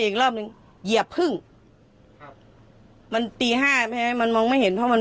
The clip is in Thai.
อีกรอบหนึ่งเหยียบพึ่งครับมันตีห้าแม่มันมองไม่เห็นเพราะมัน